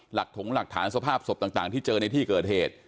ถงหลักฐานสภาพศพต่างที่เจอในที่เกิดเหตุ